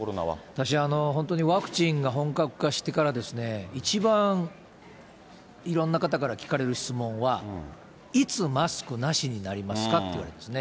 私、本当にワクチンが本格化してからですね、一番いろんな方から聞かれる質問は、いつ、マスクなしになりますかって言われるんですね。